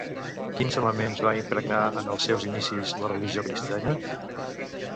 Quins elements van impregnar en els seus inicis la religió cristiana?